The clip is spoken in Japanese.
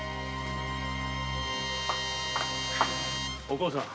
お甲さん。